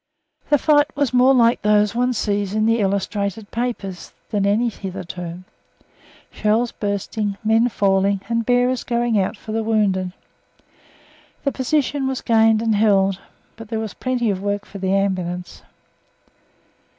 The fight was more like those one sees in the illustrated papers than any hitherto shells bursting, men falling, and bearers going out for the wounded. The position was gained and held, but there was plenty of work for the Ambulance.